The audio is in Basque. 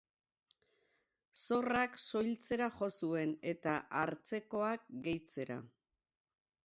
Zorrak soiltzera jo zuen, eta hartzekoak gehitzera.